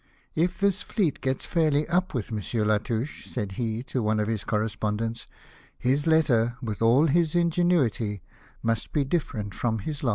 " If this fleet gets fairly up with M. Latouche," said he to one of his correspondents, " his letter, with all his ingenuity, must be different from his last.